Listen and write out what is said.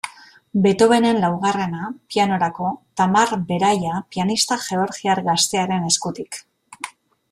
Beethovenen laugarrena, pianorako, Tamar Beraia pianista georgiar gaztearen eskutik.